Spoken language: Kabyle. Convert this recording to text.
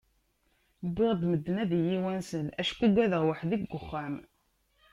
Wwiɣ-d medden ad yi-wansen, acku ugadeɣ weḥd-i deg uxxam.